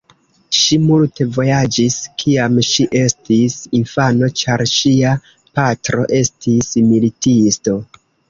Ŝi multe vojaĝis kiam ŝi estis infano, ĉar ŝia patro estis militisto.